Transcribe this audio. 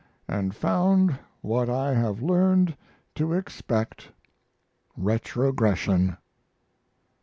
And found what I have learned to expect retrogression.